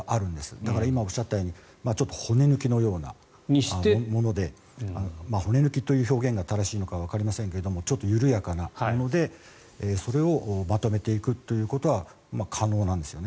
だから今おっしゃったように骨抜きのようなもので骨抜きという表現が正しいのかわかりませんがちょっと緩やかなのでそれをまとめていくということは可能なんですよね。